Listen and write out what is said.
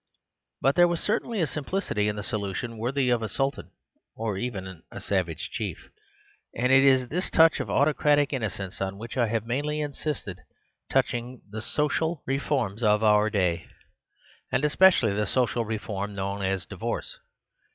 But there was certainly a simplicity in the solution worthy of a sultan or even a savage chief ; and it is this touch of autocratic innocence on which I have mainly insisted touching the social reforms of our day, and especially the social reform known as divorce.